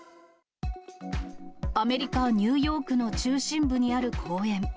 アメリカ・ニューヨークの中心部にある公園。